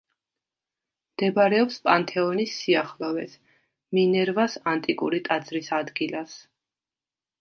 მდებარეობს პანთეონის სიახლოვეს მინერვას ანტიკური ტაძრის ადგილას.